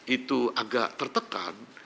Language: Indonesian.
itu agak tertekan